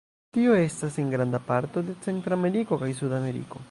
Tio estas en granda parto de Centrameriko kaj Sudameriko.